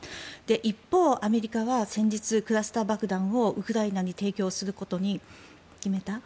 一方、アメリカは先日クラスター爆弾をウクライナに提供することに決めた。